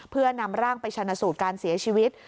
เพื่อนำร่างไปชนะสูตรการเสียชีวิต